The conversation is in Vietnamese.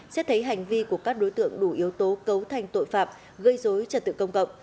xét thấy hành vi của các đối tượng đủ yếu tố cấu thành tội phạm gây dối trật tự công cộng